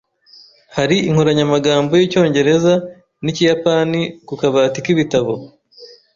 Hari inkoranyamagambo y'Icyongereza n'Ikiyapani ku kabati k'ibitabo?